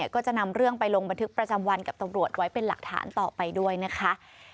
ก็จะนำเรื่องไปลงบันทึกประจำวันกับตำรวจไว้เป็นหลักฐานต่อไปด้วยนะคะ